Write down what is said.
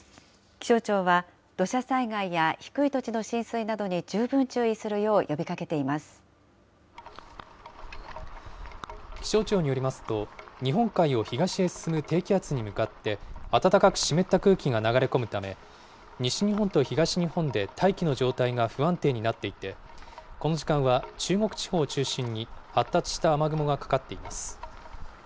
気象庁は、土砂災害や低い土地の浸水などに十分注意するよう気象庁によりますと、日本海を東へ進む低気圧に向かって、暖かく湿った空気が流れ込むため、西日本と東日本で大気の状態が不安定になっていて、この時間は中国地方を中心に発達した雨雲がかかっています。